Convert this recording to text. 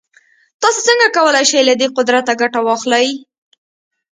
تاسې څنګه کولای شئ له دې قدرته ګټه واخلئ.